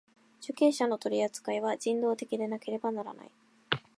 受刑者の取扱いは人道的でなければならない。